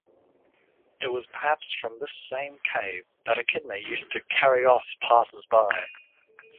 It was perhaps from this same cave, that Echidna used to "carry off passers-by".